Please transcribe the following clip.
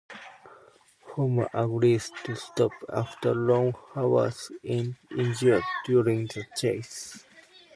Homer agrees to stop after Ron Howard is injured during the chase.